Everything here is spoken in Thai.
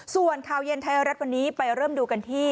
ส่วนข่าวเย็นไทยรัฐวันนี้ไปเริ่มดูกันที่